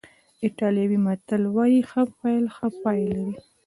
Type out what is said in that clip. ایټالوي متل وایي ښه پیل ښه پای لري.